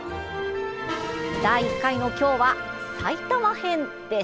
第１回の今日は、埼玉編です。